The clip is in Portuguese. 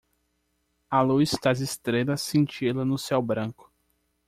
A luz das estrelas cintila no céu branco